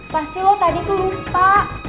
pasti lo tadi tuh lupa